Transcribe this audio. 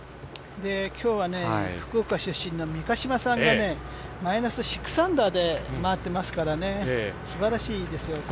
今日は福岡出身の方が三ヶ島選手がマイナス６アンダーで回ってますからねすばらしいですよ。